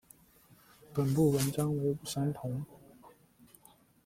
本部纹章为五三桐。